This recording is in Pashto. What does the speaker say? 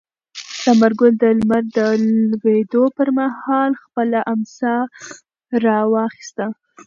ثمر ګل د لمر د لوېدو پر مهال خپله امسا راواخیسته.